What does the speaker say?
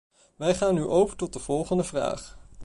Wij gaan nu over tot de volgende vraag.